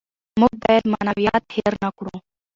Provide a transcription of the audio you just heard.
موږ باید معنویات هېر نکړو.